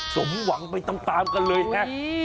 สมหวังไปตามกันเลยไง